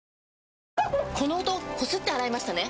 この音こすって洗いましたね？